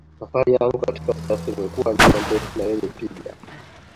safari yangu katika siasa imekuwa njia ndefu na yenye tija